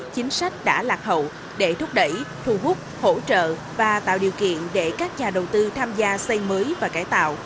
chính sách đã lạc hậu để thúc đẩy thu hút hỗ trợ và tạo điều kiện để các nhà đầu tư tham gia xây mới và cải tạo